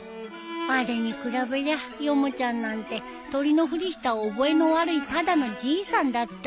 あれに比べりゃヨモちゃんなんて鳥のフリした覚えの悪いただのじいさんだったよ。